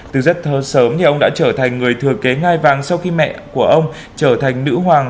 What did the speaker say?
từ rất thơ sớm thì ông đã trở thành người thừa kế ngai vàng sau khi mẹ của ông trở thành nữ hoàng